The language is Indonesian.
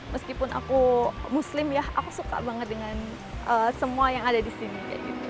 meskipun aku muslim ya aku suka banget dengan semua yang ada di sini